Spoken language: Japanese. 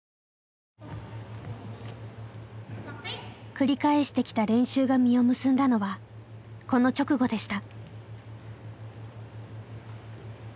繰り返してきた練習が実を結んだのはこの直後でした。